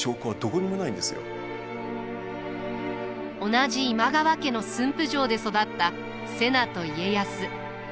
同じ今川家の駿府城で育った瀬名と家康。